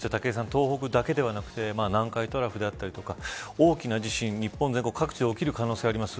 東北だけではなくて南海トラフだったり大きな地震日本各地で起きる可能性があります。